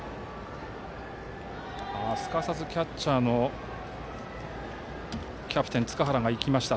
すかさずキャッチャーキャプテンの塚原が行きました。